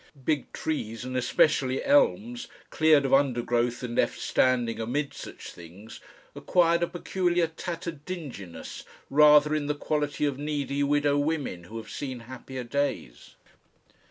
Big trees, and especially elms, cleared of undergrowth and left standing amid such things, acquired a peculiar tattered dinginess rather in the quality of needy widow women who have seen happier days.